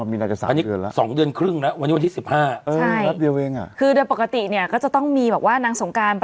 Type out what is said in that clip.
อีก๓เดือนแน่งเนี่ยจะ๓เดือนแล้ว